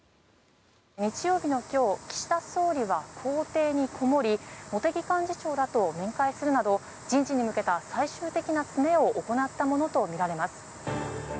日曜日の今日岸田総理は公邸にこもり茂木幹事長らと面会するなど人事に向けた最終的な詰めを行ったものとみられます。